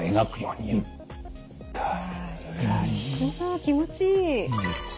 あ気持ちいい。